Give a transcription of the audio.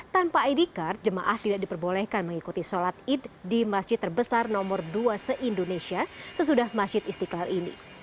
tanpa id card jemaah tidak diperbolehkan mengikuti sholat id di masjid terbesar nomor dua se indonesia sesudah masjid istiqlal ini